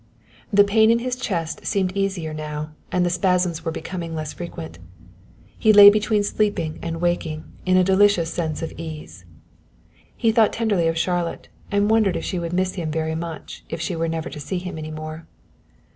The pain in his chest seemed easier now, and the spasms were becoming less frequent. He lay between sleeping and waking, in a delicious state of ease. He thought tenderly of Charlotte, and wondered if she would miss him very much if she were never to see him any more.